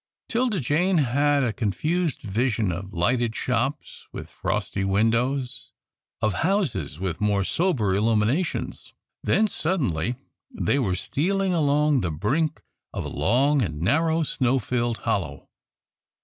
'Tilda Jane had a confused vision of lighted shops with frosty windows, of houses with more sober illuminations, then suddenly they were stealing along the brink of a long and narrow snow filled hollow.